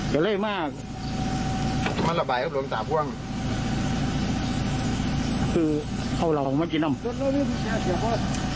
คืออ้าวเหล่าของมันกินอ้๋ม